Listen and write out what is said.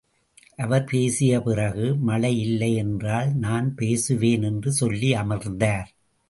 அவர் பேசிய பிறகு மழை இல்லை என்றால் நான் பேசுவேன் என்று சொல்லி அமர்ந்தார்.